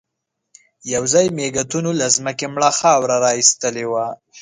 يوځای مېږتنو له ځمکې مړه خاوره را ايستلې وه.